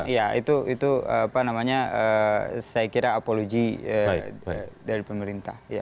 iya itu saya kira apologi dari pemerintah